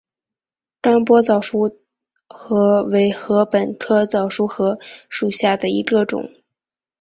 甘波早熟禾为禾本科早熟禾属下的一个种。